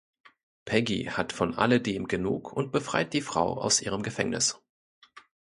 Peggy hat von alledem genug und befreit die Frau aus ihrem Gefängnis.